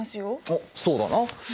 おっそうだな。